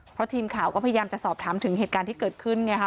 เพราะทีมข่าวก็พยายามจะสอบถามถึงเหตุการณ์ที่เกิดขึ้นไงค่ะ